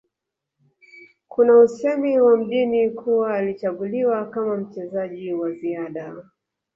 Kuna usemi wa mjini kuwa alichaguliwa kama mchezaji wa ziada